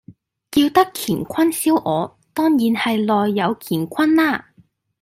叫得乾坤燒鵝，當然係內有乾坤啦